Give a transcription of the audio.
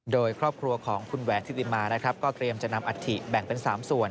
โดยครอบครัวของคุณแหวนธิติมานะครับก็เตรียมจะนำอัฐิแบ่งเป็น๓ส่วน